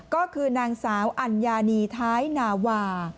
ก็คือนางสาวอัญญานีท้ายนาวา